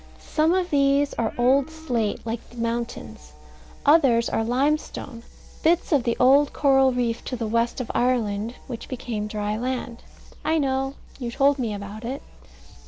Some of these are old slate, like the mountains; others are limestone; bits of the old coral reef to the west of Ireland which became dry land. I know. You told me about it.